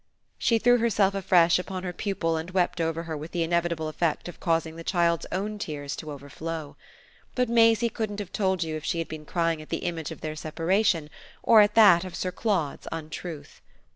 She threw herself afresh upon her pupil and wept over her with the inevitable effect of causing the child's own tears to flow. But Maisie couldn't have told you if she had been crying at the image of their separation or at that of Sir Claude's untruth.